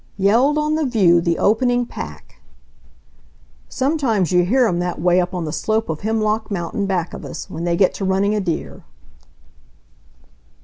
Yelled on the view the opening pack. "Sometimes you hear 'em that way up on the slope of Hemlock Mountain back of us, when they get to running a deer."